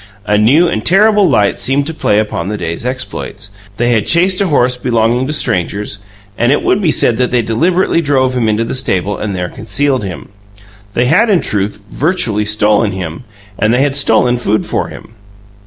A new and terrible light seemed to play upon the day's exploits; they had chased a horse belonging to strangers, and it would be said that they deliberately drove him into the stable and there concealed him. They had, in truth, virtually stolen him, and they had stolen food for him.